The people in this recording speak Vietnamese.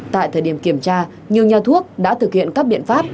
tại thời điểm kiểm tra nhiều nhà thuốc đã thực hiện các biện pháp